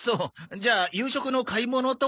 じゃあ夕食の買い物とか。